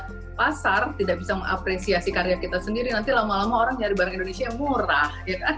karena pasar tidak bisa mengapresiasi karya kita sendiri nanti lama lama orang nyari barang indonesia yang murah